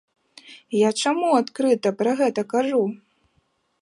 Я чаму адкрыта пра гэта кажу?